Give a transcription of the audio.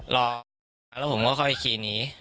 รอแล้วผมก็ค่อยขี่หนี